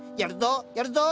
やるぞ！